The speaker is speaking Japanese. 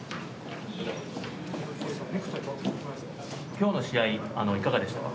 今日の試合いかがでしたか？